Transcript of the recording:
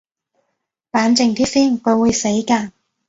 冷靜啲先，佢會死㗎